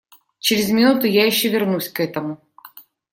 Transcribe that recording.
Через минуту я еще вернусь к этому.